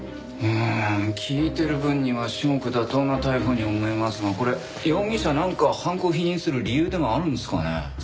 うん聞いてる分には至極妥当な逮捕に思えますがこれ容疑者なんか犯行を否認する理由でもあるんですかね？